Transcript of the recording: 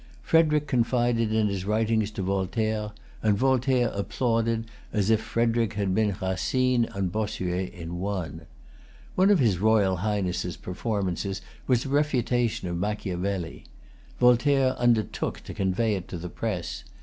Frederic confided his writings to Voltaire; and Voltaire applauded, as if Frederic had been Racine and Bossuet in one. One of his Royal Highness's performances was a refutation of Machiavelli. Voltaire undertook to convey it to the press.